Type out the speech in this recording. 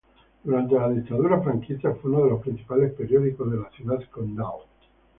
Durante la Dictadura franquista fue uno de los principales periódicos de la ciudad condal.